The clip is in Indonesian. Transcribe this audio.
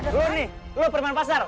lo nih perman pasar